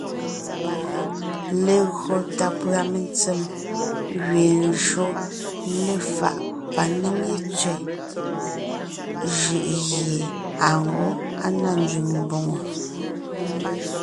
Legÿo tà pʉ̀a mentsèm gẅeen shÿó léfaʼ panéŋe tẅɛ̀ jʉʼ gie àa gwó na nzẅìŋ mbòŋo.